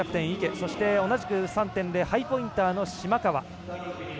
そして、同じく３．０ハイポインターの島川。